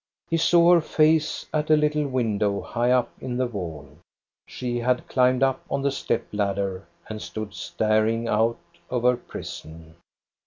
He saw her face at a little window high up in the wall. She had climbed up on the step ladder, and stood staring out of her prison.